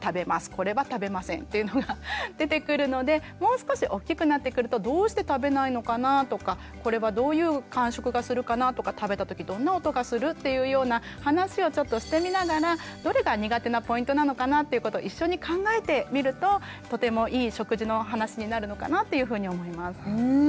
これは食べませんっていうのが出てくるのでもう少し大きくなってくると「どうして食べないのかな？」とか「これはどういう感触がするかな？」とか「食べた時どんな音がする？」っていうような話をちょっとしてみながらどれが苦手なポイントなのかなっていうことを一緒に考えてみるととてもいい食事の話になるのかなっていうふうに思います。